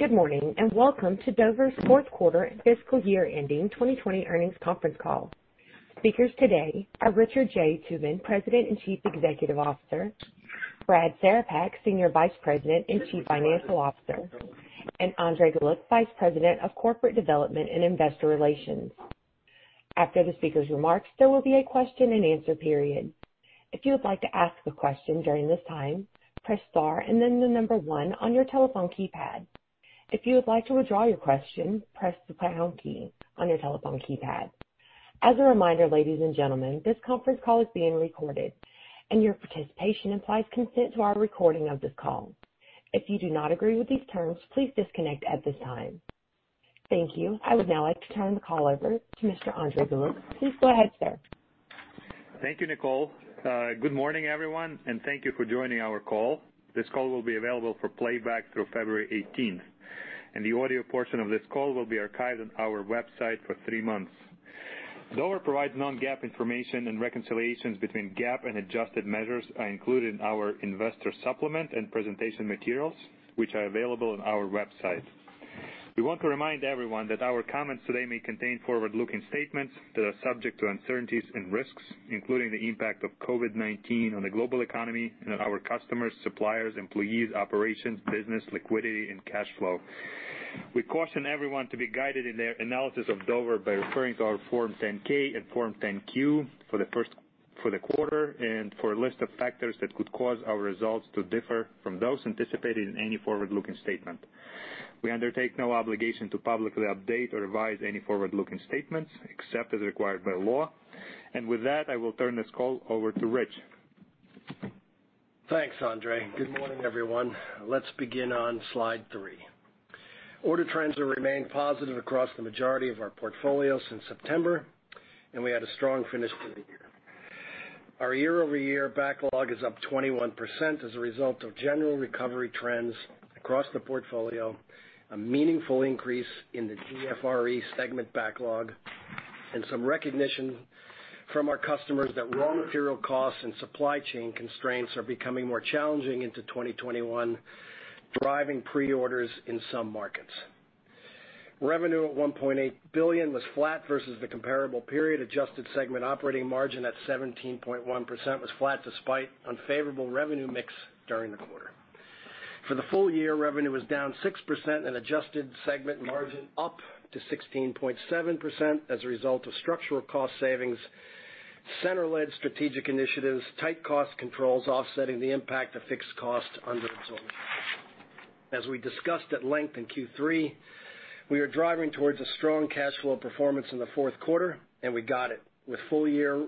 Good morning, and welcome to Dover's Fourth Quarter Fiscal Year Ending 2020 Earnings Conference Call. Speakers today are Richard J. Tobin, President and Chief Executive Officer, Brad Cerepak, Senior Vice President and Chief Financial Officer, and Andrey Galiuk, Vice President of Corporate Development and Investor Relations. After the speakers' remarks, there will be a question and answer period. If you would like to ask a question during this time, press star and then the number one on your telephone keypad. If you would like to withdraw your question, press the pound key on your telephone keypad. As a reminder ladies and gentlemen, this conference call is being recorded and your participation implies consent to our recording of this call. If you do not agree with these terms, please disconnect at this time. Thank you. I would now like to turn the call over to Mr. Andrey Galiuk.Please go ahead, sir. Thank you, Nicole. Good morning, everyone, and thank you for joining our call. This call will be available for playback through February 18th, and the audio portion of this call will be archived on our website for three months. Dover provides non-GAAP information and reconciliations between GAAP and adjusted measures are included in our investor supplement and presentation materials, which are available on our website. We want to remind everyone that our comments today may contain forward-looking statements that are subject to uncertainties and risks, including the impact of COVID-19 on the global economy and on our customers, suppliers, employees, operations, business, liquidity, and cash flow. We caution everyone to be guided in their analysis of Dover by referring to our Form 10-K and Form 10-Q for the quarter and for a list of factors that could cause our results to differ from those anticipated in any forward-looking statement. We undertake no obligation to publicly update or revise any forward-looking statements except as required by law. With that, I will turn this call over to Rich. Thanks, Andrey. Good morning, everyone. Let's begin on Slide three. Order trends have remained positive across the majority of our portfolio since September, and we had a strong finish to the year. Our year-over-year backlog is up 21% as a result of general recovery trends across the portfolio, a meaningful increase in the DFRE segment backlog, and some recognition from our customers that raw material costs and supply chain constraints are becoming more challenging into 2021, driving pre-orders in some markets. Revenue at $1.8 billion was flat versus the comparable period. Adjusted segment operating margin at 17.1% was flat despite unfavorable revenue mix during the quarter. For the full year, revenue was down 6% and adjusted segment margin up to 16.7% as a result of structural cost savings, center-led strategic initiatives, tight cost controls offsetting the impact of fixed costs under absorption. As we discussed at length in Q3, we are driving towards a strong cash flow performance in the fourth quarter, and we got it, with full year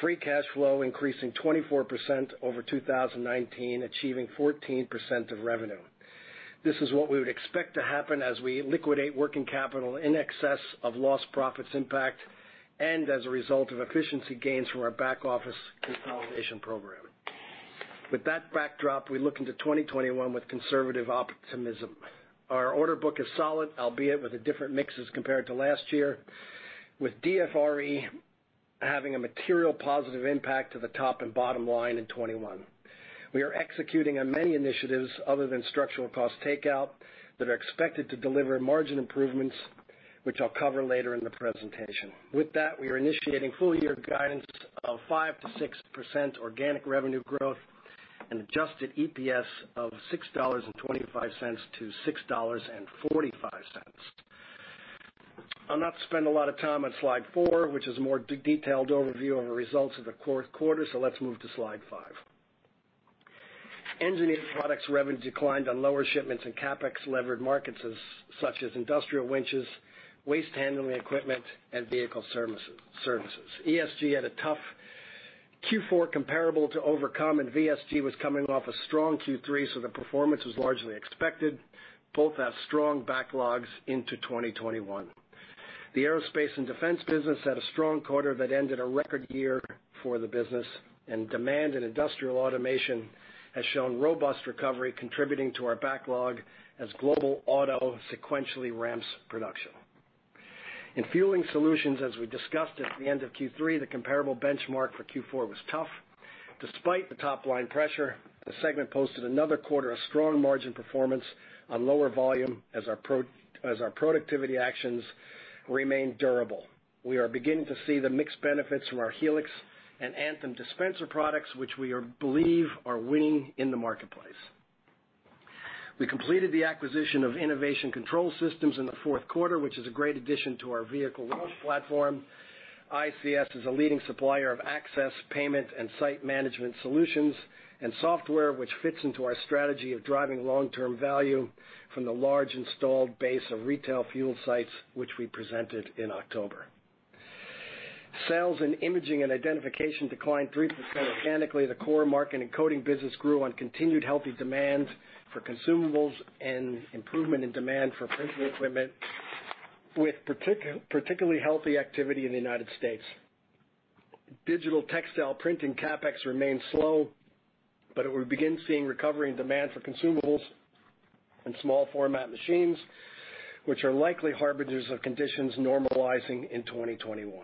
free cash flow increasing 24% over 2019, achieving 14% of revenue. This is what we would expect to happen as we liquidate working capital in excess of lost profits impact and as a result of efficiency gains from our back-office consolidation program. With that backdrop, we look into 2021 with conservative optimism. Our order book is solid, albeit with a different mix as compared to last year, with DFRE having a material positive impact to the top and bottom line in 2021. We are executing on many initiatives other than structural cost takeout that are expected to deliver margin improvements, which I'll cover later in the presentation. With that, we are initiating full year guidance of 5%-6% organic revenue growth and adjusted EPS of $6.25-$6.45. I'll not spend a lot of time on Slide four, which is a more detailed overview of the results of the fourth quarter. Let's move to Slide five. Engineered Products revenue declined on lower shipments and CapEx-levered markets such as industrial winches, waste handling equipment, and vehicle services. ESG had a tough Q4 comparable to overcome, and VSG was coming off a strong Q3, so the performance was largely expected. Both have strong backlogs into 2021. The aerospace and defense business had a strong quarter that ended a record year for the business, and demand in industrial automation has shown robust recovery contributing to our backlog as global auto sequentially ramps production. In Fueling Solutions, as we discussed at the end of Q3, the comparable benchmark for Q4 was tough. Despite the top-line pressure, the segment posted another quarter of strong margin performance on lower volume as our productivity actions remain durable. We are beginning to see the mixed benefits from our Helix and Anthem dispenser products, which we believe are winning in the marketplace. We completed the acquisition of Innovative Control Systems in the fourth quarter, which is a great addition to our vehicle platform. ICS is a leading supplier of access, payment, and site management solutions and software, which fits into our strategy of driving long-term value from the large installed base of retail fuel sites, which we presented in October. Sales in Imaging & Identification declined 3% organically. The core marking and coding business grew on continued healthy demand for consumables and improvement in demand for printing equipment with particularly healthy activity in the United States. Digital textile printing CapEx remains slow. We begin seeing recovering demand for consumables and small format machines, which are likely harbingers of conditions normalizing in 2021.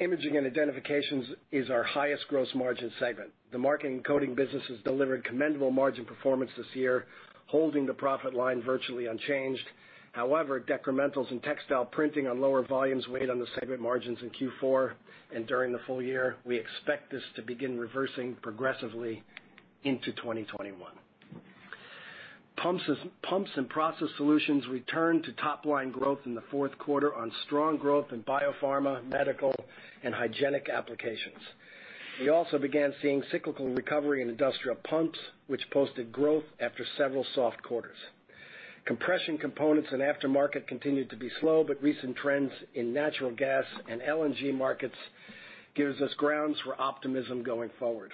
Imaging & Identification is our highest gross margin segment. The marking and coding business has delivered commendable margin performance this year, holding the profit line virtually unchanged. However decrementals in textile printing on lower volumes weighed on the segment margins in Q4 and during the full year. We expect this to begin reversing progressively into 2021. Pumps & Process Solutions returned to top-line growth in the fourth quarter on strong growth in biopharma, medical, and hygienic applications. We also began seeing cyclical recovery in industrial pumps, which posted growth after several soft quarters. Compression components and aftermarket continued to be slow. Recent trends in natural gas and LNG markets gives us grounds for optimism going forward.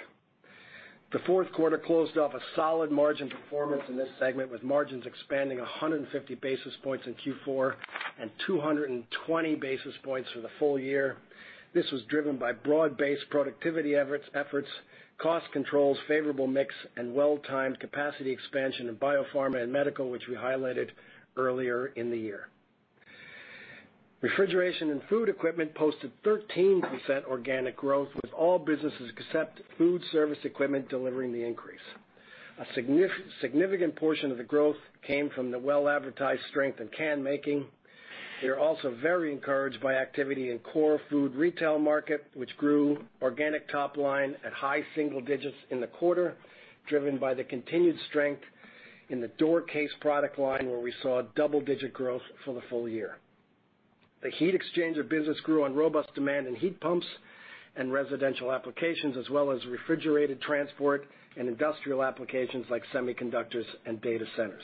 The fourth quarter closed off a solid margin performance in this segment, with margins expanding 150 basis points in Q4 and 220 basis points for the full year. This was driven by broad-based productivity efforts, cost controls, favorable mix, and well-timed capacity expansion in biopharma and medical, which we highlighted earlier in the year. Refrigeration & Food Equipment posted 13% organic growth, with all businesses except Food Service Equipment delivering the increase. A significant portion of the growth came from the well-advertised strength in can making. We are also very encouraged by activity in core food retail market, which grew organic top line at high single digits in the quarter, driven by the continued strength in the door case product line, where we saw double-digit growth for the full year. The heat exchanger business grew on robust demand in heat pumps and residential applications, as well as refrigerated transport and industrial applications like semiconductors and data centers.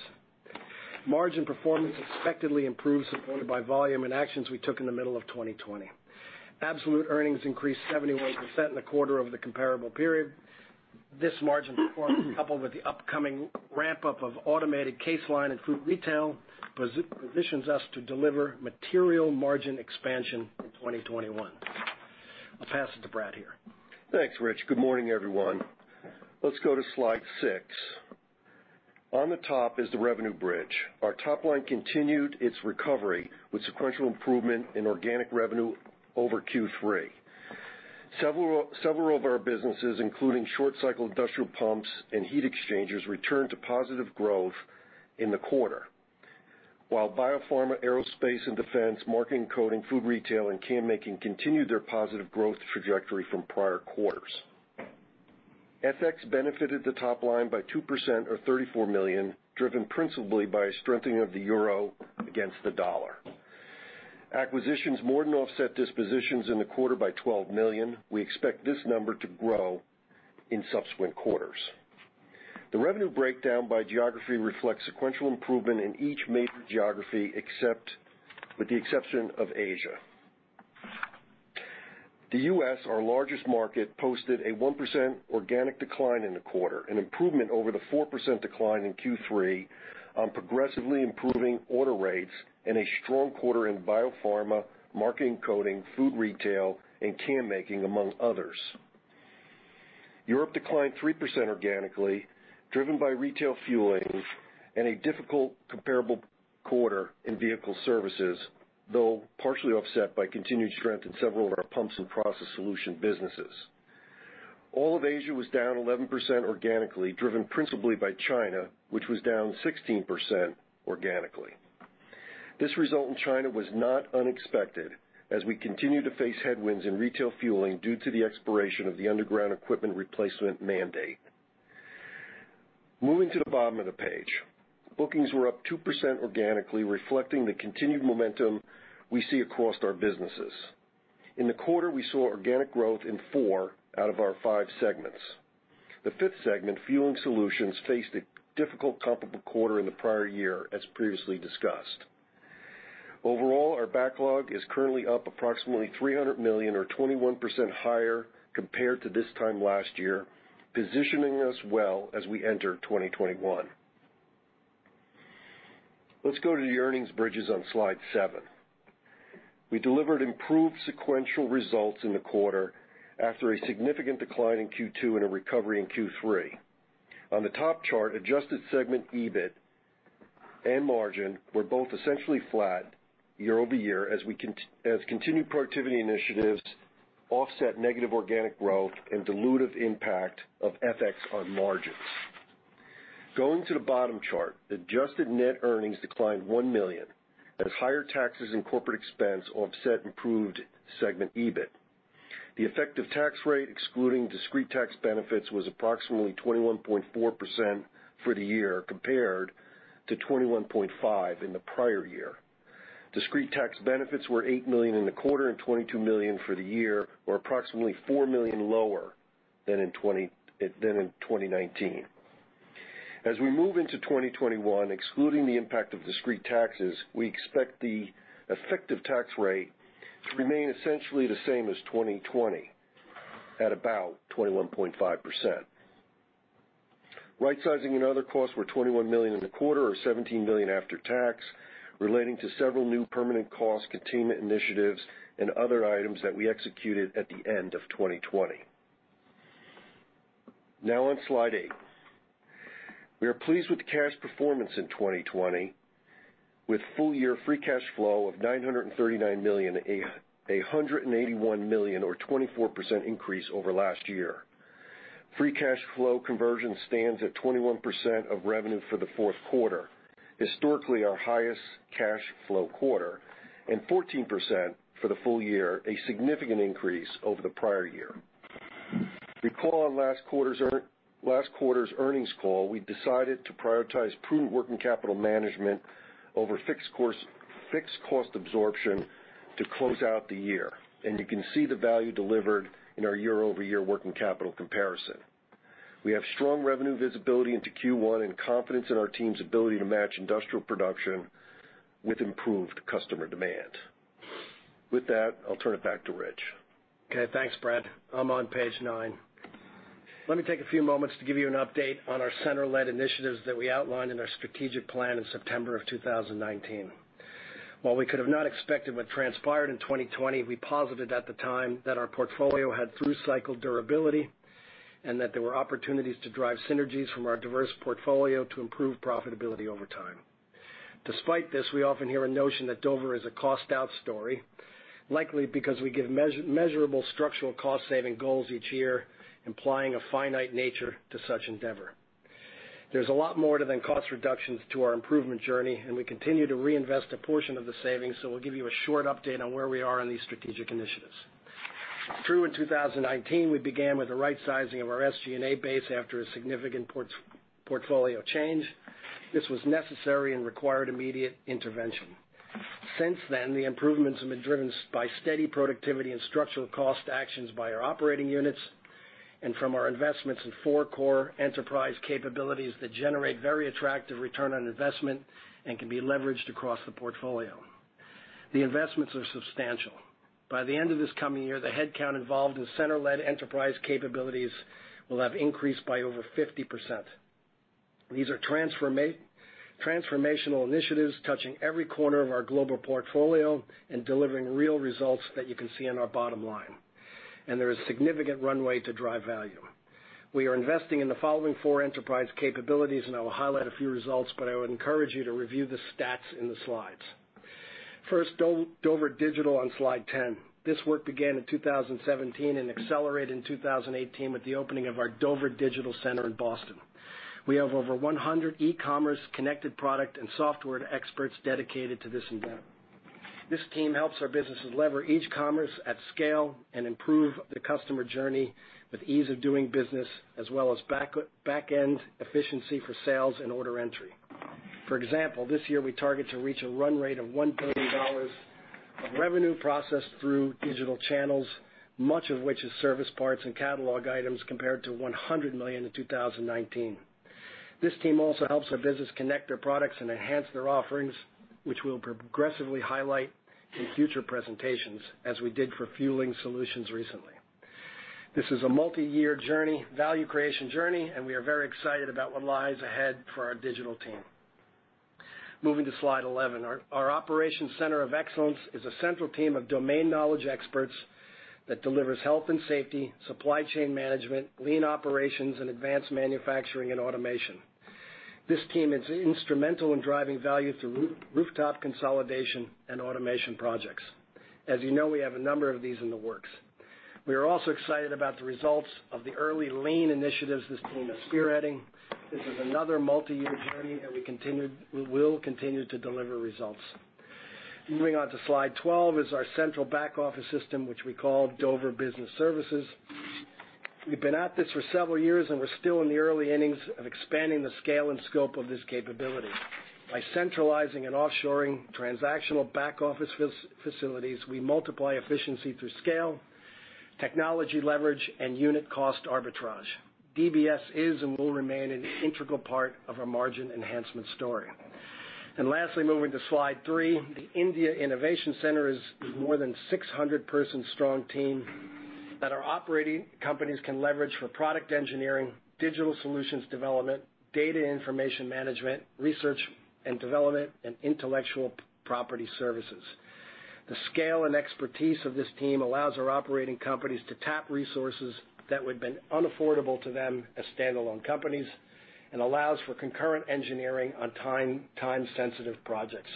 Margin performance expectedly improved, supported by volume and actions we took in the middle of 2020. Absolute earnings increased 71% in the quarter over the comparable period. This margin performance, coupled with the upcoming ramp-up of automated case line in food retail, positions us to deliver material margin expansion in 2021. I'll pass it to Brad here. Thanks, Rich. Good morning, everyone. Let's go to Slide six. On the top is the revenue bridge. Our top line continued its recovery with sequential improvement in organic revenue over Q3. Several of our businesses, including short-cycle industrial pumps and heat exchangers, returned to positive growth in the quarter. While biopharma, aerospace and defense, marking and coding, food retail, and can making continued their positive growth trajectory from prior quarters. FX benefited the top line by 2% or $34 million, driven principally by a strengthening of the euro against the dollar. Acquisitions more than offset dispositions in the quarter by $12 million. We expect this number to grow in subsequent quarters. The revenue breakdown by geography reflects sequential improvement in each major geography, with the exception of Asia. The U.S., our largest market, posted a 1% organic decline in the quarter, an improvement over the 4% decline in Q3 on progressively improving order rates and a strong quarter in biopharma, marking and coding, food retail, and can-making, among others. Europe declined 3% organically, driven by retail fueling and a difficult comparable quarter in vehicle services, though partially offset by continued strength in several of our Pumps & Process Solutions businesses. All of Asia was down 11% organically, driven principally by China, which was down 16% organically. This result in China was not unexpected, as we continue to face headwinds in retail fueling due to the expiration of the underground equipment replacement mandate. Moving to the bottom of the page. Bookings were up 2% organically, reflecting the continued momentum we see across our businesses. In the quarter, we saw organic growth in four out of our five segments. The fifth segment, Fueling Solutions, faced a difficult comparable quarter in the prior year, as previously discussed. Overall, our backlog is currently up approximately $300 million or 21% higher compared to this time last year, positioning us well as we enter 2021. Let's go to the earnings bridges on Slide seven. We delivered improved sequential results in the quarter after a significant decline in Q2 and a recovery in Q3. On the top chart, adjusted segment EBIT and margin were both essentially flat year-over-year as continued productivity initiatives offset negative organic growth and dilutive impact of FX on margins. Going to the bottom chart, adjusted net earnings declined $1 million as higher taxes and corporate expense offset improved segment EBIT. The effective tax rate, excluding discrete tax benefits, was approximately 21.4% for the year compared to 21.5% in the prior year. Discrete tax benefits were $8 million in the quarter and $22 million for the year, or approximately $4 million lower than in 2019. As we move into 2021, excluding the impact of discrete taxes, we expect the effective tax rate to remain essentially the same as 2020, at about 21.5%. Rightsizing and other costs were $21 million in the quarter or $17 million after tax, relating to several new permanent cost containment initiatives and other items that we executed at the end of 2020. Now on Slide eight. We are pleased with the cash performance in 2020, with full-year free cash flow of $939 million, a $181 million or 24% increase over last year. Free cash flow conversion stands at 21% of revenue for the fourth quarter, historically our highest cash flow quarter, and 14% for the full year, a significant increase over the prior year. Recall on last quarter's earnings call, we decided to prioritize prudent working capital management over fixed cost absorption to close out the year, and you can see the value delivered in our year-over-year working capital comparison. We have strong revenue visibility into Q1 and confidence in our team's ability to match industrial production with improved customer demand. With that, I'll turn it back to Rich. Okay. Thanks, Brad. I'm on page nine. Let me take a few moments to give you an update on our center-led initiatives that we outlined in our strategic plan in September of 2019. While we could have not expected what transpired in 2020, we posited at the time that our portfolio had through-cycle durability and that there were opportunities to drive synergies from our diverse portfolio to improve profitability over time. Despite this, we often hear a notion that Dover is a cost-out story, likely because we give measurable structural cost-saving goals each year, implying a finite nature to such endeavor. There's a lot more than cost reductions to our improvement journey, and we continue to reinvest a portion of the savings, so we'll give you a short update on where we are on these strategic initiatives. Through in 2019, we began with the right sizing of our SG&A base after a significant portfolio change. This was necessary and required immediate intervention. Since then, the improvements have been driven by steady productivity and structural cost actions by our operating units and from our investments in four core enterprise capabilities that generate very attractive return on investment and can be leveraged across the portfolio. The investments are substantial. By the end of this coming year, the headcount involved in center-led enterprise capabilities will have increased by over 50%. These are transformational initiatives touching every corner of our global portfolio and delivering real results that you can see in our bottom line. There is significant runway to drive value. We are investing in the following four enterprise capabilities, and I will highlight a few results, but I would encourage you to review the stats in the slides. First, Dover Digital on Slide 10. This work began in 2017 and accelerated in 2018 with the opening of our Dover Digital Center in Boston. We have over 100 e-commerce connected product and software experts dedicated to this endeavor. This team helps our businesses lever e-commerce at scale and improve the customer journey with ease of doing business as well as back-end efficiency for sales and order entry. For example, this year we target to reach a run rate of $1 billion of revenue processed through digital channels, much of which is service parts and catalog items compared to $100 million in 2019. This team also helps our business connect their products and enhance their offerings, which we'll progressively highlight in future presentations, as we did for Fueling Solutions recently. This is a multiyear value creation journey, and we are very excited about what lies ahead for our digital team. Moving to Slide 11. Our Operations Center of Excellence is a central team of domain knowledge experts that delivers health and safety, supply chain management, lean operations, and advanced manufacturing and automation. This team is instrumental in driving value through rooftop consolidation and automation projects. As you know, we have a number of these in the works. We are also excited about the results of the early lean initiatives this team is spearheading. This is another multiyear journey, and we will continue to deliver results. Moving on to Slide 12 is our central back-office system, which we call Dover Business Services. We've been at this for several years, and we're still in the early innings of expanding the scale and scope of this capability. By centralizing and offshoring transactional back-office facilities, we multiply efficiency through scale, technology leverage, and unit cost arbitrage. DBS is and will remain an integral part of our margin enhancement story. Lastly, moving to Slide 13, the India Innovation Center is more than a 600-person strong team that our operating companies can leverage for product engineering, digital solutions development, data information management, research and development, and intellectual property services. The scale and expertise of this team allows our operating companies to tap resources that would've been unaffordable to them as standalone companies and allows for concurrent engineering on time-sensitive projects.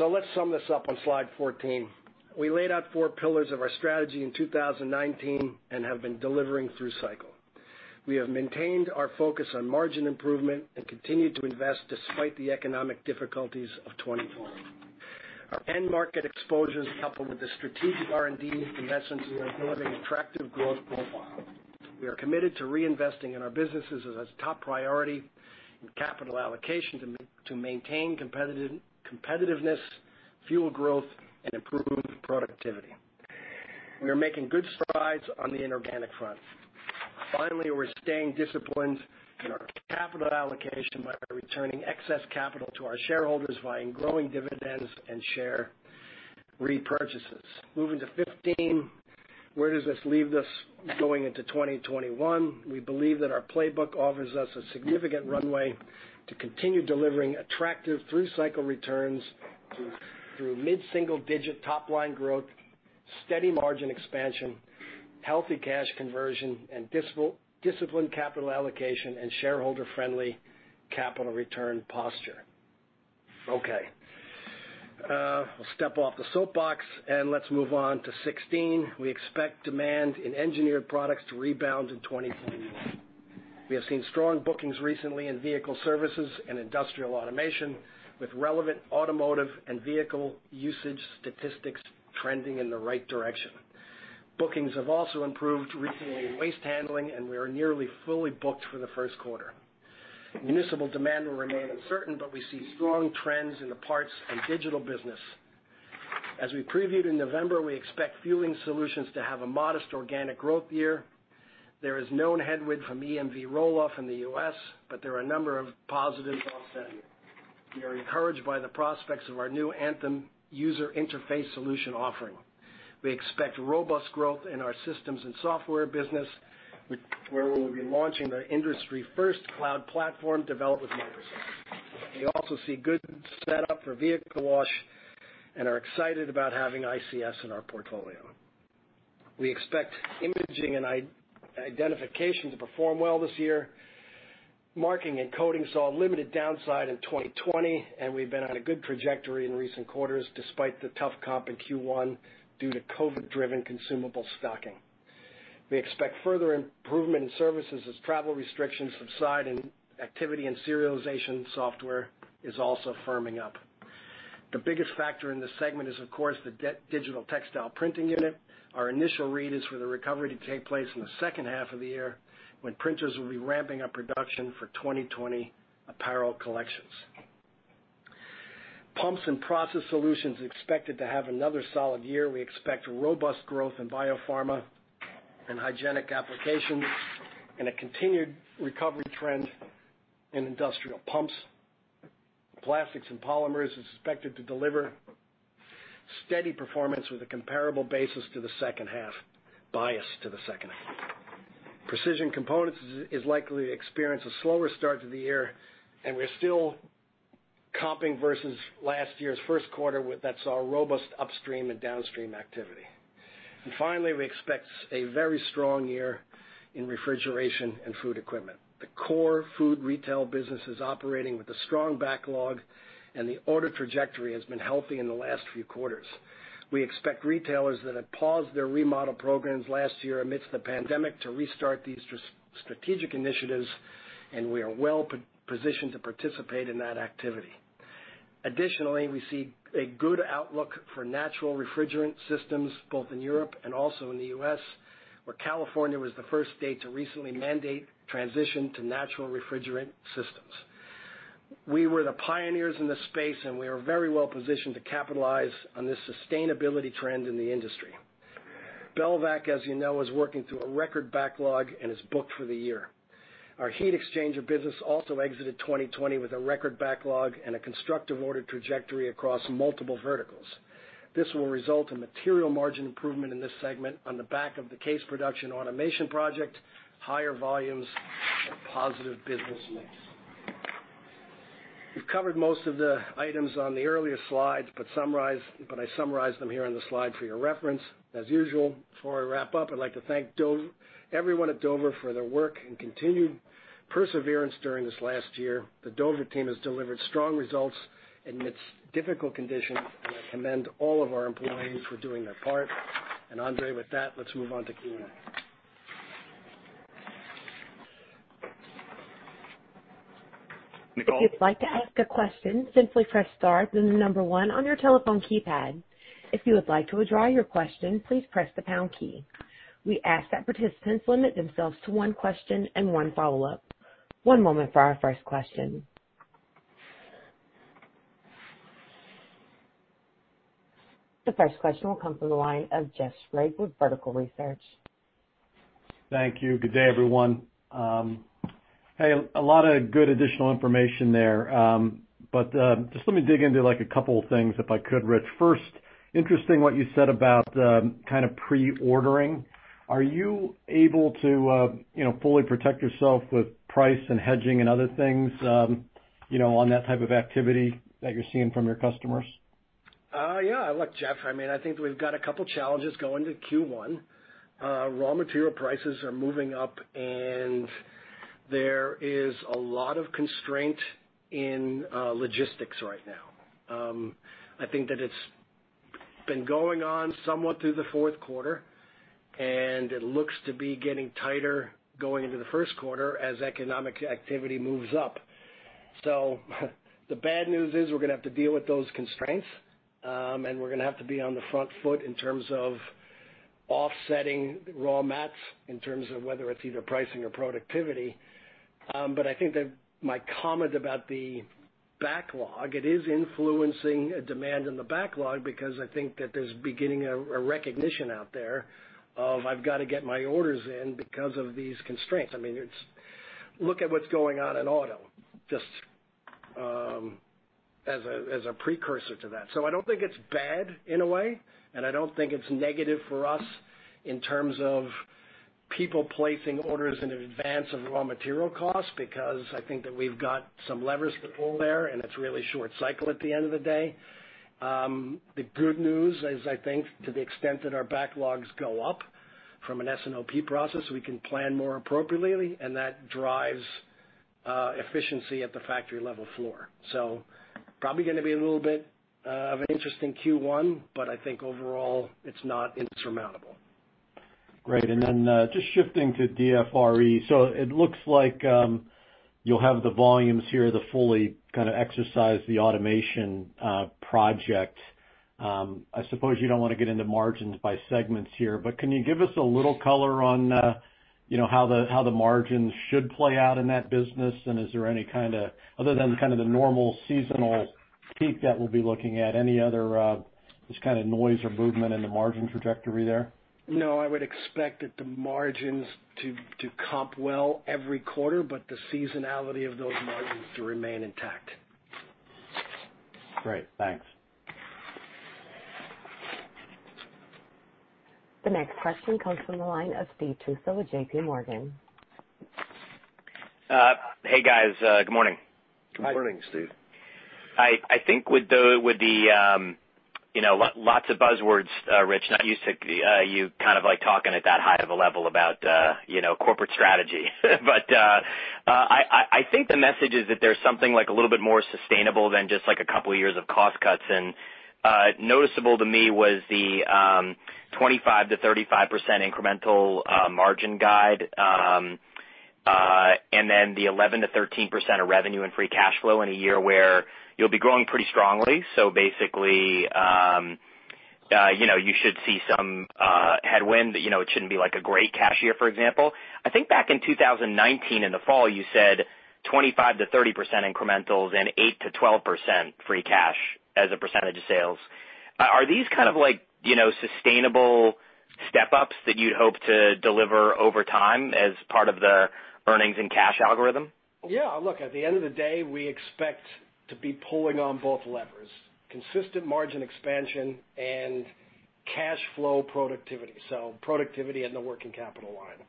Let's sum this up on Slide 14. We laid out four pillars of our strategy in 2019 and have been delivering through cycle. We have maintained our focus on margin improvement and continue to invest despite the economic difficulties of 2020. Our end market exposure, coupled with the strategic R&D investments, we have an attractive growth profile. We are committed to reinvesting in our businesses as a top priority in capital allocation to maintain competitiveness, fuel growth, and improve productivity. We are making good strides on the inorganic front. Finally, we're staying disciplined in our capital allocation by returning excess capital to our shareholders via growing dividends and share repurchases. Moving to Slide 15. Where does this leave us going into 2021? We believe that our playbook offers us a significant runway to continue delivering attractive through-cycle returns through mid-single-digit top-line growth, steady margin expansion, healthy cash conversion, and disciplined capital allocation and shareholder-friendly capital return posture. Okay. We'll step off the soapbox and let's move on to Slide 16. We expect demand in Engineered Products to rebound in 2021. We have seen strong bookings recently in vehicle services and industrial automation with relevant automotive and vehicle usage statistics trending in the right direction. Bookings have also improved recently in waste handling. We are nearly fully booked for the first quarter. Municipal demand will remain uncertain. We see strong trends in the parts and digital business. As we previewed in November, we expect Fueling Solutions to have a modest organic growth year. There is known headwind from EMV roll-off in the U.S. There are a number of positives offsetting it. We are encouraged by the prospects of our new Anthem user interface solution offering. We expect robust growth in our systems and software business, where we'll be launching the industry-first cloud platform developed with Microsoft. We also see good setup for vehicle wash. We are excited about having ICS in our portfolio. We expect Imaging & Identification to perform well this year. Marking and coding saw limited downside in 2020, and we've been on a good trajectory in recent quarters, despite the tough comp in Q1 due to COVID-19-driven consumable stocking. We expect further improvement in services as travel restrictions subside and activity in serialization software is also firming up. The biggest factor in this segment is, of course, the digital textile printing unit. Our initial read is for the recovery to take place in the second half of the year when printers will be ramping up production for 2020 apparel collections. Pumps & Process Solutions are expected to have another solid year. We expect robust growth in biopharma and hygienic applications and a continued recovery trend in industrial pumps. Plastics and polymers is expected to deliver steady performance with a comparable basis to the second half, biased to the second half. Precision components is likely to experience a slower start to the year, and we're still comping versus last year's first quarter that saw robust upstream and downstream activity. Finally, we expect a very strong year in Refrigeration & Food Equipment. The core food retail business is operating with a strong backlog, and the order trajectory has been healthy in the last few quarters. We expect retailers that had paused their remodel programs last year amidst the pandemic to restart these strategic initiatives, and we are well-positioned to participate in that activity. Additionally, we see a good outlook for natural refrigerant systems both in Europe and also in the U.S., where California was the first state to recently mandate transition to natural refrigerant systems. We were the pioneers in this space, and we are very well positioned to capitalize on this sustainability trend in the industry. Belvac, as you know, is working through a record backlog and is booked for the year. Our heat exchanger business also exited 2020 with a record backlog and a constructive order trajectory across multiple verticals. This will result in material margin improvement in this segment on the back of the case production automation project, higher volumes, and positive business mix. We've covered most of the items on the earlier slides, but I summarized them here on the slide for your reference. As usual, before I wrap up, I'd like to thank everyone at Dover for their work and continued perseverance during this last year. The Dover team has delivered strong results amidst difficult conditions, and I commend all of our employees for doing their part. Andrey, with that, let's move on to Q&A. Nicole? If you'd like to ask a question simply press star and the number one on your telephone keypad. If you would like to withdraw your question please press the pound key. We ask that participants limit themselves to one question and one follow-up. One moment for our first question. The first question will come from the line of Jeff Sprague with Vertical Research. Thank you. Good day, everyone. Hey, a lot of good additional information there. Just let me dig into a couple of things if I could, Rich. First, interesting what you said about kind of pre-ordering. Are you able to fully protect yourself with price and hedging and other things on that type of activity that you're seeing from your customers? Yeah. Look, Jeff, I think we've got a couple challenges going to Q1. Raw material prices are moving up. There is a lot of constraint in logistics right now. I think that it's been going on somewhat through the fourth quarter. It looks to be getting tighter going into the first quarter as economic activity moves up. The bad news is we're going to have to deal with those constraints. We're going to have to be on the front foot in terms of offsetting raw mats, in terms of whether it's either pricing or productivity. I think that my comment about the backlog, it is influencing demand in the backlog because I think that there's beginning a recognition out there of, "I've got to get my orders in because of these constraints." Look at what's going on in auto, just as a precursor to that. I don't think it's bad in a way, and I don't think it's negative for us in terms of people placing orders in advance of raw material costs, because I think that we've got some levers to pull there, and it's really short cycle at the end of the day. The good news is, I think, to the extent that our backlogs go up from an S&OP process, we can plan more appropriately, and that drives efficiency at the factory level floor. Probably going to be a little bit of an interesting Q1, but I think overall, it's not insurmountable. Great. Just shifting to DFRE. It looks like you'll have the volumes here to fully exercise the automation project. I suppose you don't want to get into margins by segments here, can you give us a little color on how the margins should play out in that business? Is there any, other than the normal seasonal peak that we'll be looking at, any other noise or movement in the margin trajectory there? No, I would expect that the margins to comp well every quarter, but the seasonality of those margins to remain intact. Great. Thanks. The next question comes from the line of Steve Tusa with JPMorgan. Hey, guys. Good morning. Good morning, Steve. I think with the lots of buzzwords, Rich, not used to you talking at that high of a level about corporate strategy. I think the message is that there's something a little bit more sustainable than just a couple of years of cost cuts. Noticeable to me was the 25%-35% incremental margin guide, then the 11%-13% of revenue and free cash flow in a year where you'll be growing pretty strongly. Basically, you should see some headwind. It shouldn't be like a great cash year, for example. I think back in 2019, in the fall, you said 25%-30% incrementals and 8%-12% free cash as a percentage of sales. Are these sustainable step-ups that you'd hope to deliver over time as part of the earnings and cash algorithm? Yeah, look, at the end of the day, we expect to be pulling on both levers: consistent margin expansion and cash flow productivity. Productivity in the working capital line.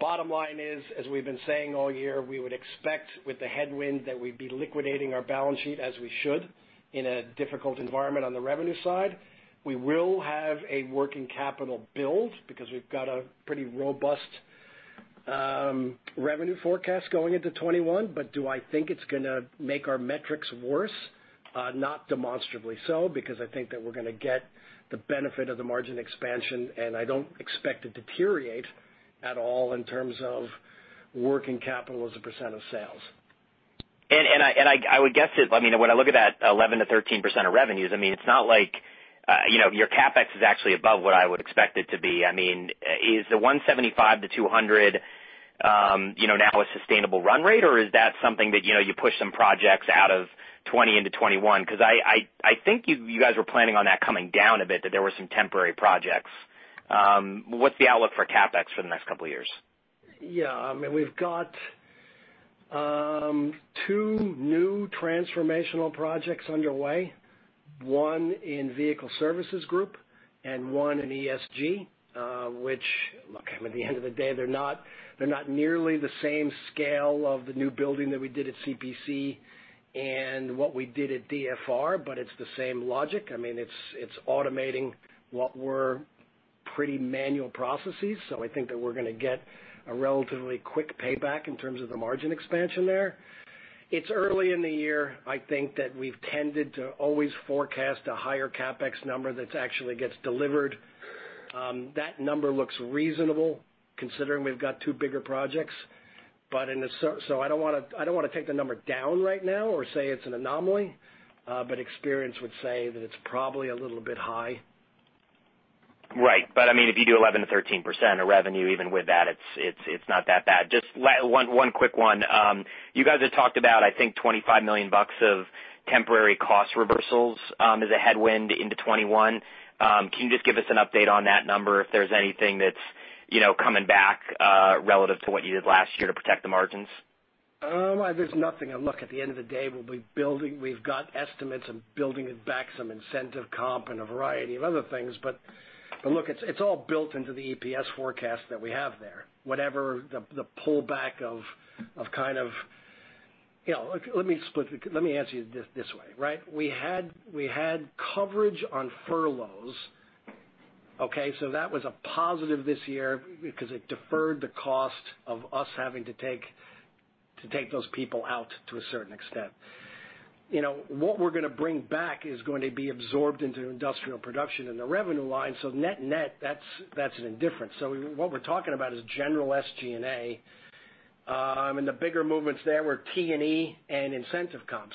Bottom line is, as we've been saying all year, we would expect with the headwind that we'd be liquidating our balance sheet as we should in a difficult environment on the revenue side. We will have a working capital build because we've got a pretty robust revenue forecast going into 2021. Do I think it's going to make our metrics worse? Not demonstrably so, because I think that we're going to get the benefit of the margin expansion, and I don't expect it to period at all in terms of working capital as a percent of sales. I would guess that when I look at that 11%-13% of revenues, it's not like your CapEx is actually above what I would expect it to be. Is the $175-$200 now a sustainable run rate, or is that something that you push some projects out of 2020 into 2021? I think you guys were planning on that coming down a bit, that there were some temporary projects. What's the outlook for CapEx for the next couple of years? Yeah. We've got two new transformational projects underway, one in Vehicle Service Group and one in ESG which, look, at the end of the day, they're not nearly the same scale of the new building that we did at CPC and what we did at DFR, but it's the same logic. It's automating what were pretty manual processes. I think that we're going to get a relatively quick payback in terms of the margin expansion there. It's early in the year. I think that we've tended to always forecast a higher CapEx number that actually gets delivered. That number looks reasonable considering we've got two bigger projects. I don't want to take the number down right now or say it's an anomaly. Experience would say that it's probably a little bit high. Right. If you do 11%-13% of revenue, even with that, it's not that bad. Just one quick one. You guys have talked about, I think, $25 million of temporary cost reversals as a headwind into 2021. Can you just give us an update on that number, if there's anything that's coming back relative to what you did last year to protect the margins? There's nothing. At the end of the day, we've got estimates and building it back some incentive comp and a variety of other things. It's all built into the EPS forecast that we have there, whatever the pullback of. Let me answer you this way. We had coverage on furloughs. Okay? That was a positive this year because it deferred the cost of us having to take those people out to a certain extent. You know what we're going to bring back is going to be absorbed into industrial production in the revenue line. Net net, that's an indifference. What we're talking about is general SG&A. The bigger movements there were T&E and incentive comp.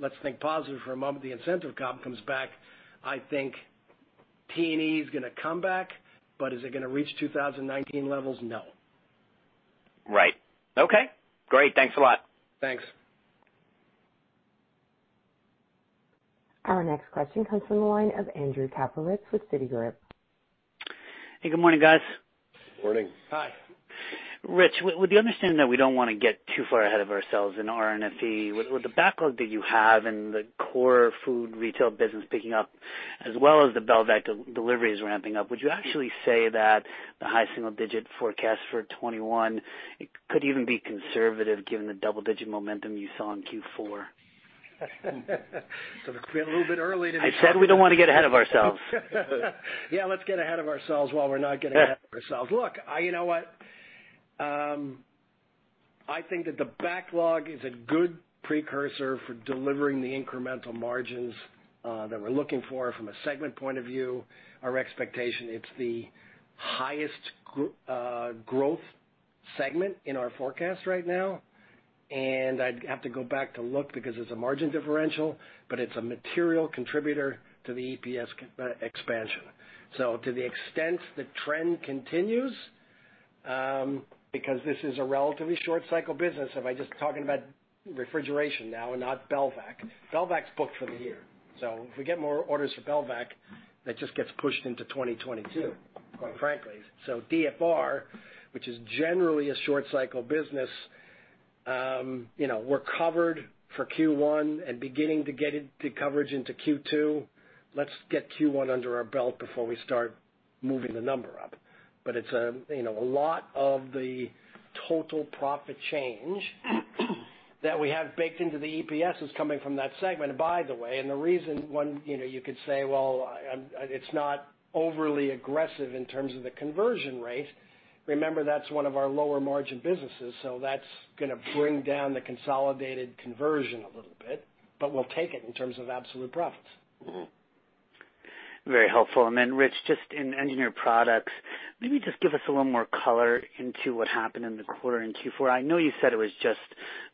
Let's think positive for a moment. The incentive comp comes back. I think T&E is going to come back, but is it going to reach 2019 levels? No. Right. Okay, great. Thanks a lot. Thanks. Our next question comes from the line of Andrew Kaplowitz with Citigroup. Hey, good morning, guys. Good morning. Hi. Rich, with the understanding that we don't want to get too far ahead of ourselves in DRFE, with the backlog that you have and the core food retail business picking up, as well as the Belvac deliveries ramping up, would you actually say that the high single-digit forecast for 2021 could even be conservative given the double-digit momentum you saw in Q4? It could be a little bit early. I said we don't want to get ahead of ourselves. Yeah, let's get ahead of ourselves while we're not getting ahead of ourselves. Look, you know what? I think that the backlog is a good precursor for delivering the incremental margins, that we're looking for from a segment point of view. Our expectation, it's the highest growth segment in our forecast right now, and I'd have to go back to look because it's a margin differential, but it's a material contributor to the EPS expansion. To the extent the trend continues, because this is a relatively short cycle business, if I just talking about refrigeration now and not Belvac. Belvac's booked for the year. If we get more orders for Belvac, that just gets pushed into 2022, quite frankly. DFR, which is generally a short cycle business, we're covered for Q1 and beginning to get into coverage into Q2. Let's get Q1 under our belt before we start moving the number up. A lot of the total profit change that we have baked into the EPS is coming from that segment, by the way. The reason one, you could say, well, it's not overly aggressive in terms of the conversion rate. Remember, that's one of our lower margin businesses, so that's going to bring down the consolidated conversion a little bit, we'll take it in terms of absolute profits. Mm-hmm. Very helpful. Then Rich, just in Engineered Products, maybe just give us a little more color into what happened in the quarter in Q4. I know you said it was just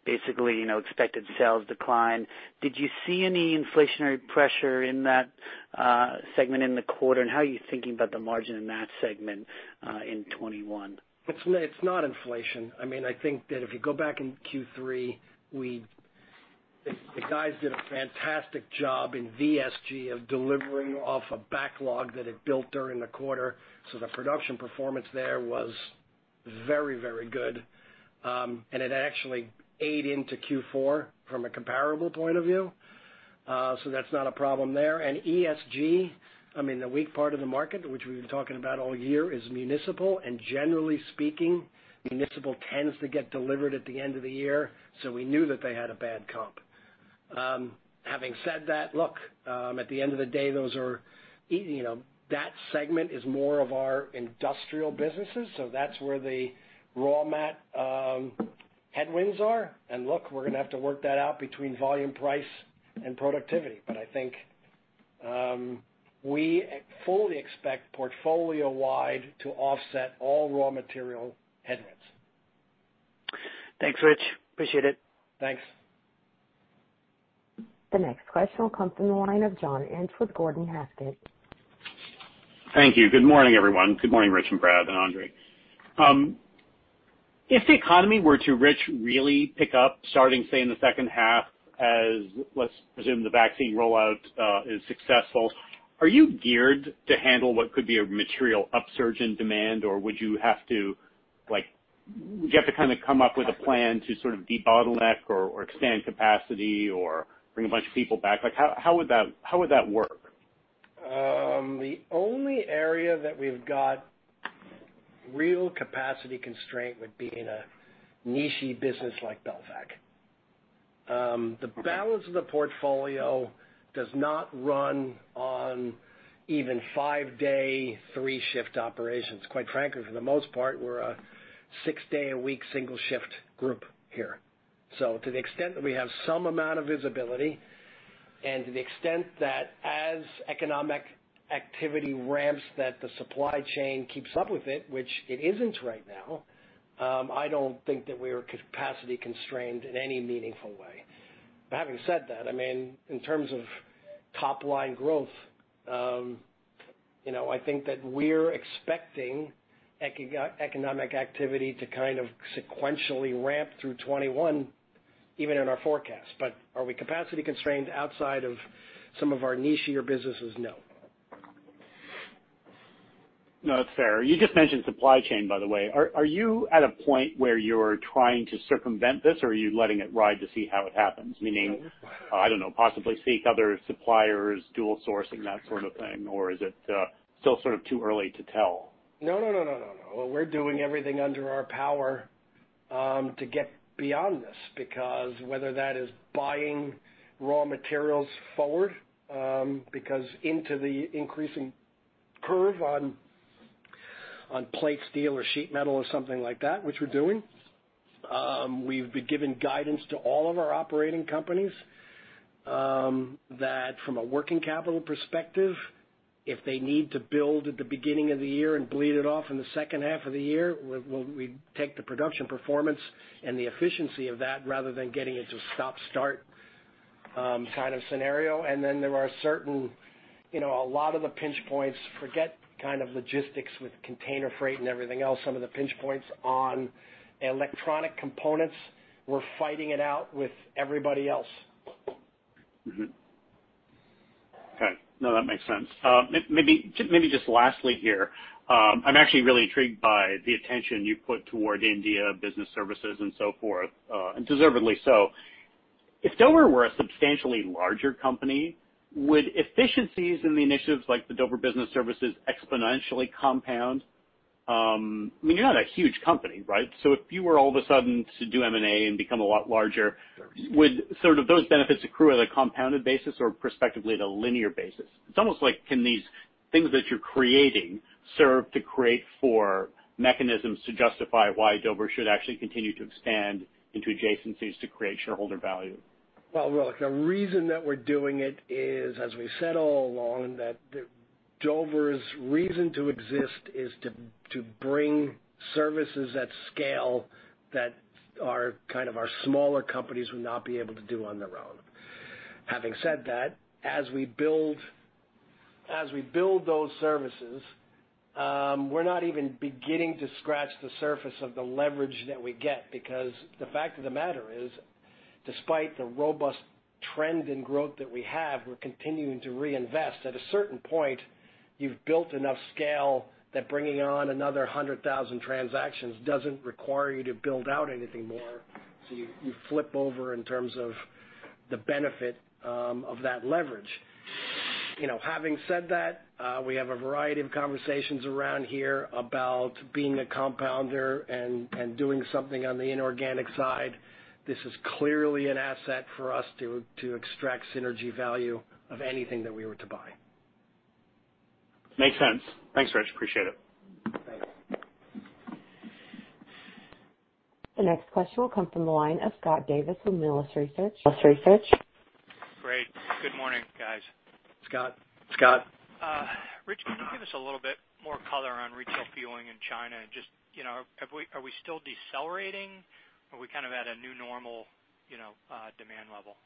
basically expected sales decline. Did you see any inflationary pressure in that segment in the quarter, and how are you thinking about the margin in that segment in 2021? It's not inflation. I think that if you go back in Q3, the guys did a fantastic job in VSG of delivering off a backlog that had built during the quarter. The production performance there was very good. It actually fed into Q4 from a comparable point of view. That's not a problem there. ESG, the weak part of the market, which we've been talking about all year, is municipal. Generally speaking, municipal tends to get delivered at the end of the year, so we knew that they had a bad comp. Having said that, look, at the end of the day, that segment is more of our industrial businesses, so that's where the raw mat headwinds are. Look, we're gonna have to work that out between volume price and productivity. I think, we fully expect portfolio-wide to offset all raw material headwinds. Thanks, Rich. Appreciate it. Thanks. The next question will come from the line of John Inch with Gordon Haskett. Thank you. Good morning, everyone. Good morning, Rich and Brad and Andrey. If the economy were to, Rich, really pick up starting, say, in the second half as let's presume the vaccine rollout is successful, are you geared to handle what could be a material upsurge in demand, or would you have to come up with a plan to sort of debottleneck or extend capacity or bring a bunch of people back? How would that work? The only area that we've got real capacity constraint would be in a niche-y business like Belvac. The balance of the portfolio does not run on even five-day, three-shift operations, quite frankly. For the most part, we're a six-day-a-week single shift group here. To the extent that we have some amount of visibility, and to the extent that as economic activity ramps, that the supply chain keeps up with it, which it isn't right now, I don't think that we are capacity constrained in any meaningful way. Having said that, in terms of top-line growth, I think that we're expecting economic activity to kind of sequentially ramp through 2021, even in our forecast. Are we capacity constrained outside of some of our niche-ier businesses? No. No, that's fair. You just mentioned supply chain, by the way. Are you at a point where you're trying to circumvent this, or are you letting it ride to see how it happens? Meaning, I don't know, possibly seek other suppliers, dual sourcing, that sort of thing, or is it still sort of too early to tell? No. We're doing everything under our power to get beyond this because whether that is buying raw materials forward, into the increasing curve on plate steel or sheet metal or something like that, which we're doing. We've been giving guidance to all of our operating companies, that from a working capital perspective, if they need to build at the beginning of the year and bleed it off in the second half of the year, we take the production performance and the efficiency of that rather than getting into stop, start kind of scenario. There are a lot of the pinch points, forget kind of logistics with container freight and everything else. Some of the pinch points on electronic components, we're fighting it out with everybody else. Okay. No, that makes sense. Maybe just lastly here, I'm actually really intrigued by the attention you put toward India business services and so forth, and deservedly so. If Dover were a substantially larger company, would efficiencies in the initiatives like the Dover Business Services exponentially compound? You're not a huge company, right? If you were all of a sudden to do M&A and become a lot larger, would those benefits accrue at a compounded basis or perspectively at a linear basis? It's almost like, can these things that you're creating serve to create for mechanisms to justify why Dover should actually continue to expand into adjacencies to create shareholder value? Look, the reason that we're doing it is, as we said all along, that Dover's reason to exist is to bring services at scale that our smaller companies would not be able to do on their own. Having said that, as we build those services, we're not even beginning to scratch the surface of the leverage that we get because the fact of the matter is, despite the robust trend in growth that we have, we're continuing to reinvest. At a certain point, you've built enough scale that bringing on another 100,000 transactions doesn't require you to build out anything more. You flip over in terms of the benefit of that leverage. Having said that, we have a variety of conversations around here about being a compounder and doing something on the inorganic side. This is clearly an asset for us to extract synergy value of anything that we were to buy. Makes sense. Thanks, Rich. Appreciate it. The next question will come from the line of Scott Davis with Melius Research. Great. Good morning, guys. Scott. Scott. Rich, can you give us a little bit more color on retail fueling in China and just, are we still decelerating or are we kind of at a new normal demand level?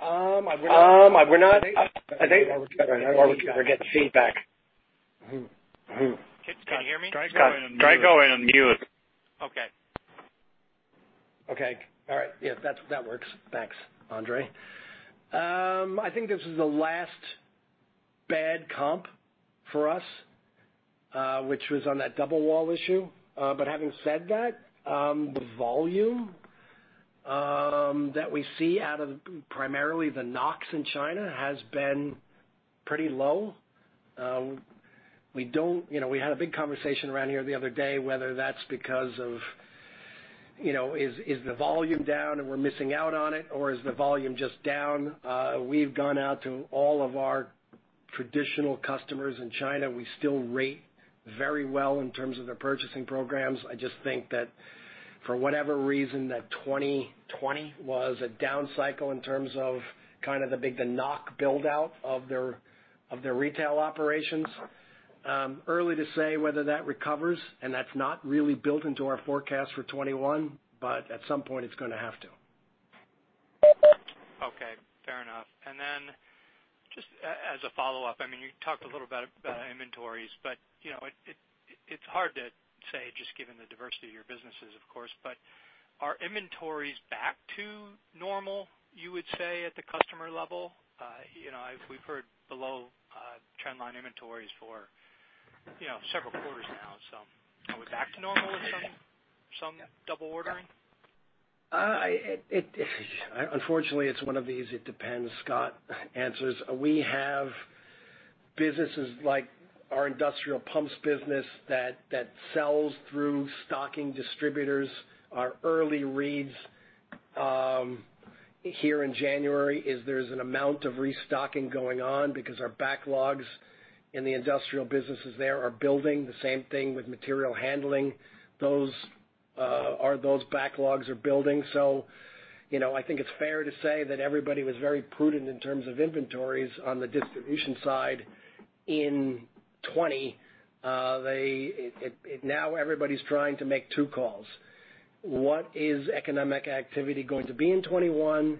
We're not- We're getting feedback. Can you hear me? Scott. Try going on mute. Okay. Okay. All right. Yeah, that works. Thanks, Andrey. I think this is the last bad comp for us, which was on that double wall issue. Having said that, the volume that we see out of primarily the NOCs in China has been pretty low. We had a big conversation around here the other day, whether that's because of, is the volume down and we're missing out on it, or is the volume just down? We've gone out to all of our traditional customers in China. We still rate very well in terms of their purchasing programs. I just think that for whatever reason, that 2020 was a down cycle in terms of kind of the big NOC build-out of their retail operations. Early to say whether that recovers, and that's not really built into our forecast for 2021, but at some point it's gonna have to. Okay. Fair enough. Just as a follow-up, you talked a little about inventories, it's hard to say, just given the diversity of your businesses, of course, are inventories back to normal, you would say, at the customer level? We've heard below trend line inventories for several quarters now. Are we back to normal with some double ordering? Unfortunately, it's one of these it depends, Scott, answers. We have businesses like our industrial pumps business that sells through stocking distributors. Our early reads here in January is there's an amount of restocking going on because our backlogs in the industrial businesses there are building. The same thing with material handling. Those backlogs are building. I think it's fair to say that everybody was very prudent in terms of inventories on the distribution side in 2020. Now everybody's trying to make two calls. What is economic activity going to be in 2021?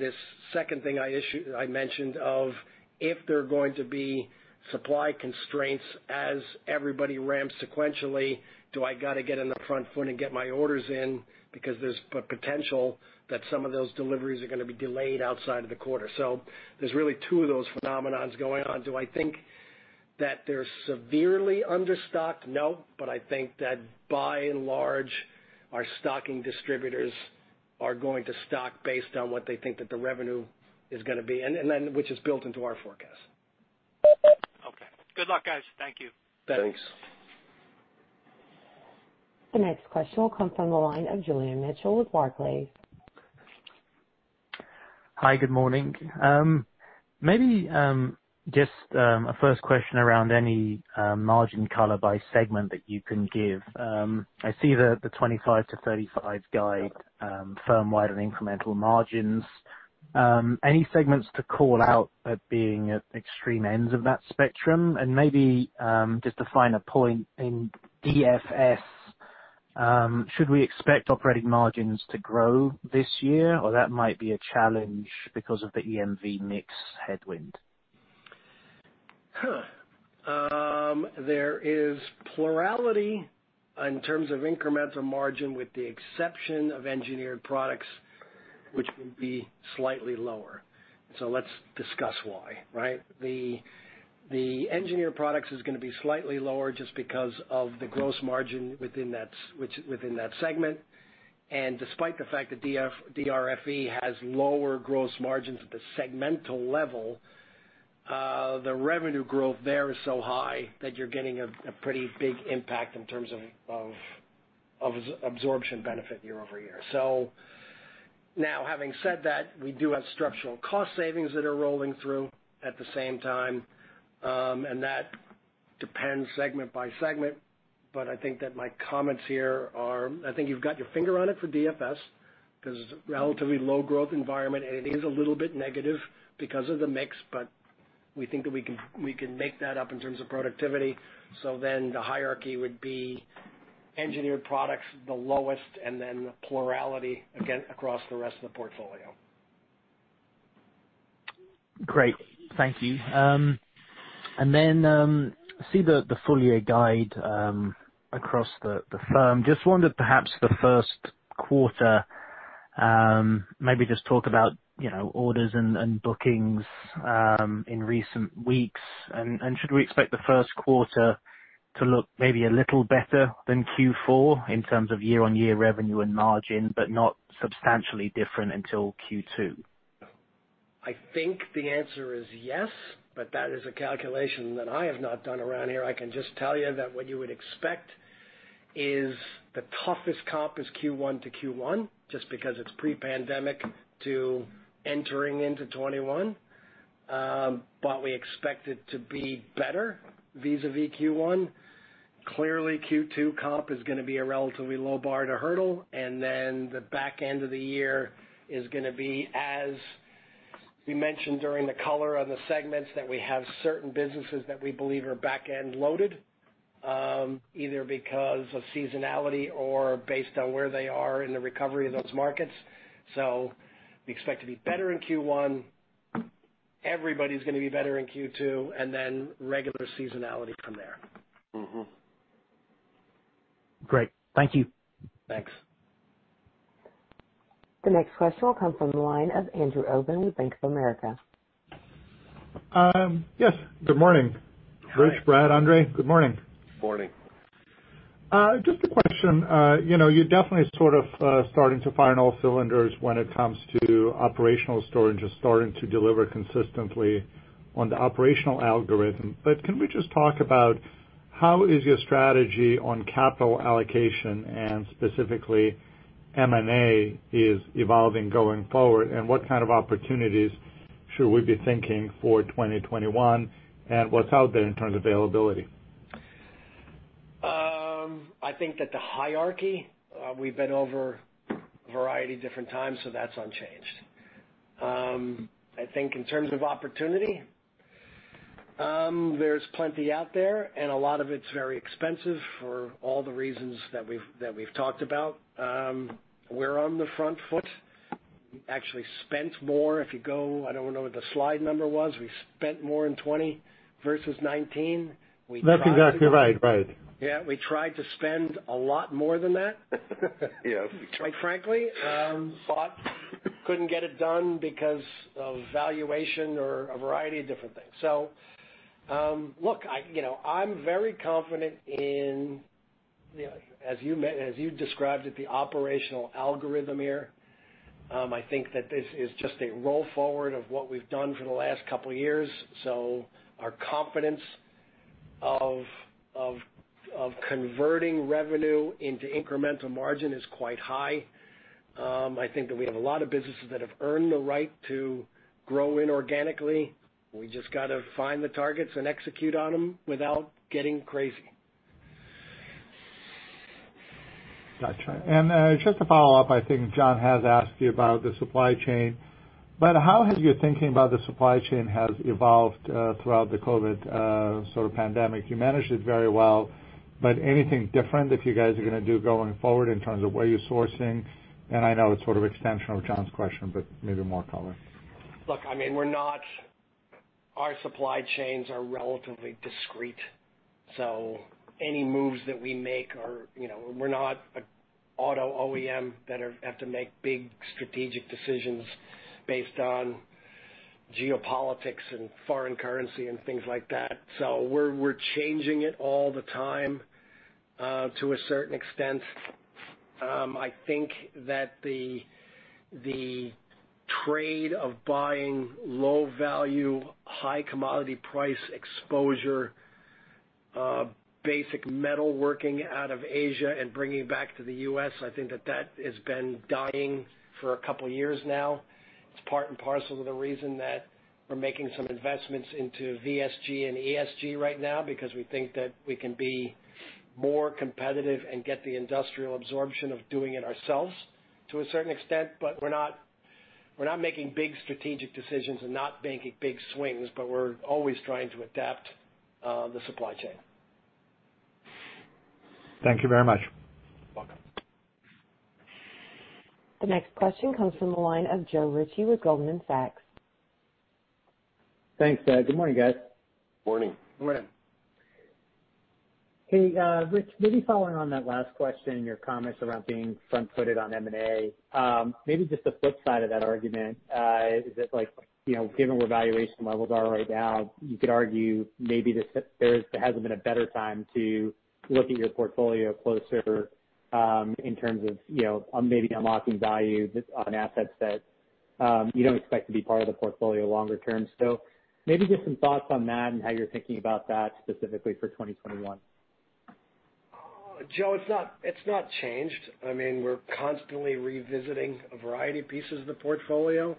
This second thing I mentioned of if there are going to be supply constraints as everybody ramps sequentially, do I got to get on the front foot and get my orders in because there's potential that some of those deliveries are going to be delayed outside of the quarter. There's really two of those phenomenons going on. Do I think that they're severely understocked? No. I think that by and large, our stocking distributors are going to stock based on what they think that the revenue is gonna be, and then which is built into our forecast. Okay. Good luck, guys. Thank you. Thanks. The next question will come from the line of Julian Mitchell with Barclays. Hi. Good morning. Maybe just a first question around any margin color by segment that you can give. I see the 25%-35% guide firm-wide on incremental margins. Any segments to call out at being at extreme ends of that spectrum? Maybe just to find a point in DFS, should we expect operating margins to grow this year or that might be a challenge because of the EMV mix headwind? Huh. There is plurality in terms of incremental margin, with the exception of Engineered Products, which will be slightly lower. Let's discuss why, right? The Engineered Products is going to be slightly lower just because of the gross margin within that segment. Despite the fact that DRFE has lower gross margins at the segmental level, the revenue growth there is so high that you're getting a pretty big impact in terms of absorption benefit year-over-year. Now having said that, we do have structural cost savings that are rolling through at the same time. That depends segment by segment, but I think that my comments here are, I think you've got your finger on it for DFS, because it's a relatively low growth environment, and it is a little bit negative because of the mix. But we think that we can make that up in terms of productivity. The hierarchy would be Engineered Products the lowest, and then plurality again across the rest of the portfolio. Great. Thank you. I see the full year guide across the firm. Just wondered, perhaps the first quarter, maybe just talk about orders and bookings in recent weeks? Should we expect the first quarter to look maybe a little better than Q4 in terms of year-on-year revenue and margin, but not substantially different until Q2? I think the answer is yes, but that is a calculation that I have not done around here. I can just tell you that what you would expect is the toughest comp is Q1-Q1, just because it's pre-pandemic to entering into 2021. We expect it to be better vis-a-vis Q1. Clearly, Q2 comp is going to be a relatively low bar to hurdle. The back end of the year is going to be, as we mentioned during the color on the segments, that we have certain businesses that we believe are back end loaded. Either because of seasonality or based on where they are in the recovery of those markets. We expect to be better in Q1. Everybody's going to be better in Q2. Regular seasonality from there. Mm-hmm. Great. Thank you. Thanks. The next question will come from the line of Andrew Obin with Bank of America. Yes, good morning. Hi. Rich, Brad, Andrey. Good morning. Morning. Just a question. You're definitely sort of starting to fire on all cylinders when it comes to operational storage and starting to deliver consistently on the operational algorithm. Can we just talk about how is your strategy on capital allocation and specifically M&A is evolving going forward, and what kind of opportunities should we be thinking for 2021, and what's out there in terms of availability? I think that the hierarchy, we've been over a variety of different times, so that's unchanged. I think in terms of opportunity, there's plenty out there, and a lot of it's very expensive for all the reasons that we've talked about. We're on the front foot. We actually spent more. If you go, I don't know what the slide number was, we spent more in 2020 versus 2019. That's exactly right. Yeah. We tried to spend a lot more than that. Yeah. We tried. Quite frankly. Couldn't get it done because of valuation or a variety of different things. Look, I'm very confident in, as you described it, the operational algorithm here. I think that this is just a roll forward of what we've done for the last couple of years. Our confidence of converting revenue into incremental margin is quite high. I think that we have a lot of businesses that have earned the right to grow inorganically. We just got to find the targets and execute on them without getting crazy. Got you. Just to follow up, I think John has asked you about the supply chain, how has your thinking about the supply chain has evolved throughout the COVID sort of pandemic? You managed it very well, anything different that you guys are going to do going forward in terms of where you're sourcing? I know it's sort of extension of John's question, maybe more color. Look, our supply chains are relatively discrete. Any moves that we make, we're not an auto OEM that have to make big strategic decisions based on geopolitics and foreign currency and things like that. We're changing it all the time, to a certain extent. I think that the trade of buying low value, high commodity price exposure, basic metal working out of Asia and bringing it back to the U.S., I think that that has been dying for a couple of years now. It's part and parcel to the reason that we're making some investments into VSG and ESG right now because we think that we can be more competitive and get the industrial absorption of doing it ourselves to a certain extent. We're not making big strategic decisions and not making big swings, but we're always trying to adapt the supply chain. Thank you very much. Welcome. The next question comes from the line of Joe Ritchie with Goldman Sachs. Thanks. Good morning, guys. Morning. Morning. Hey, Rich, maybe following on that last question, your comments around being front-footed on M&A. Maybe just the flip side of that argument, is it like, given where valuation levels are right now, you could argue maybe there hasn't been a better time to look at your portfolio closer, in terms of maybe unlocking value on asset sets you don't expect to be part of the portfolio longer term. Maybe just some thoughts on that and how you're thinking about that specifically for 2021. Joe, it's not changed. We're constantly revisiting a variety of pieces of the portfolio.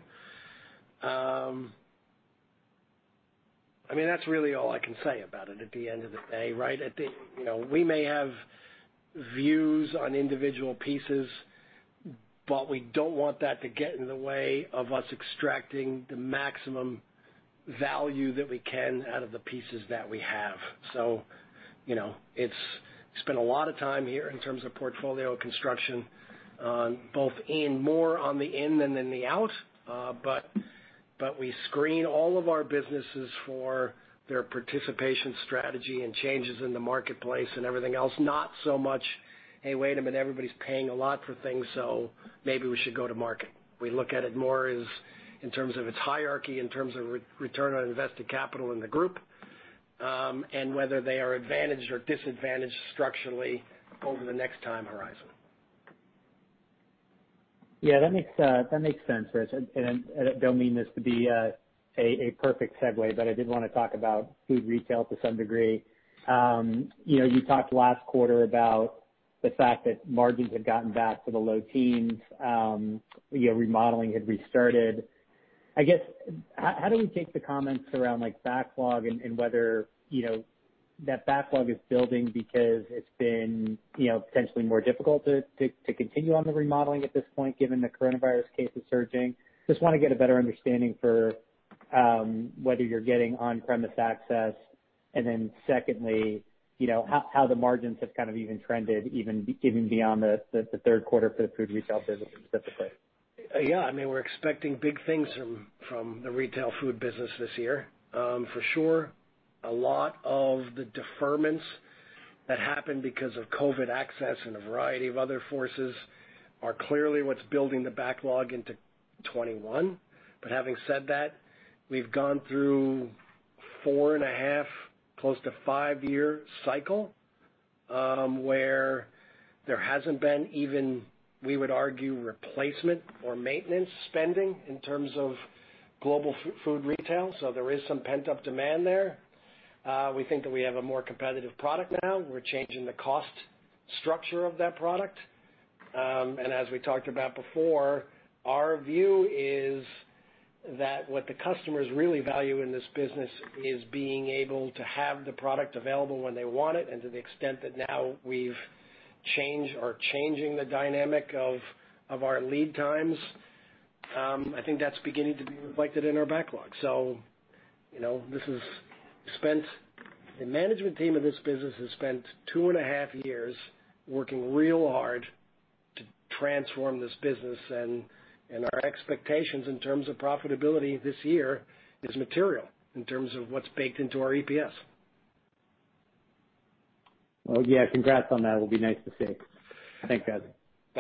That's really all I can say about it at the end of the day, right? We may have views on individual pieces, but we don't want that to get in the way of us extracting the maximum value that we can out of the pieces that we have. It's been a lot of time here in terms of portfolio construction on both in more on the in than in the out. We screen all of our businesses for their participation strategy and changes in the marketplace and everything else. Not so much, "Hey, wait a minute, everybody's paying a lot for things, so maybe we should go to market." We look at it more as in terms of its hierarchy, in terms of return on invested capital in the group, and whether they are advantaged or disadvantaged structurally over the next time horizon. That makes sense, Rich. I don't mean this to be a perfect segue, but I did want to talk about food retail to some degree. You talked last quarter about the fact that margins had gotten back to the low teens. Remodeling had restarted. I guess, how do we take the comments around backlog and whether that backlog is building because it's been potentially more difficult to continue on the remodeling at this point, given the coronavirus cases surging? I just want to get a better understanding for whether you're getting on-premise access and then secondly, how the margins have kind of even trended even beyond the third quarter for the food retail business specifically. Yeah. We're expecting big things from the retail food business this year. For sure, a lot of the deferments that happened because of COVID access and a variety of other forces are clearly what's building the backlog into 2021. Having said that, we've gone through four and a half, close to five-year cycle, where there hasn't been even, we would argue, replacement or maintenance spending in terms of global food retail. There is some pent-up demand there. We think that we have a more competitive product now. We're changing the cost structure of that product. As we talked about before, our view is that what the customers really value in this business is being able to have the product available when they want it, and to the extent that now we've changed or changing the dynamic of our lead times. I think that's beginning to be reflected in our backlog. The management team of this business has spent two and a half years working real hard to transform this business, and our expectations in terms of profitability this year is material in terms of what's baked into our EPS. Well, yeah, congrats on that. It will be nice to see. Thanks, guys.